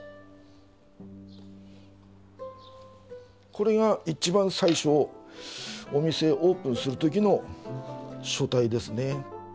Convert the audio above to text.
これが一番最初お店オープンする時の書体ですね。